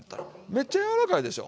めっちゃ柔らかいでしょ？